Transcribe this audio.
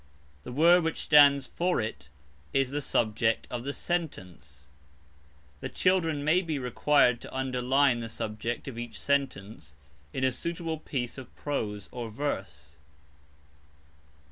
The word which stands for it is the subject of the sentence. The children may be required to underline the subject of each sentence in a suitable piece of prose or verse.